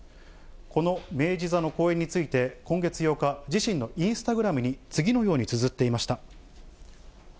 この明治座の公演について、今月８日、自身のインスタグラムに次のようにつづっていました。